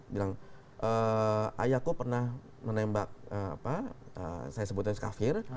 bilang ayahku pernah menembak apa saya sebutin kafir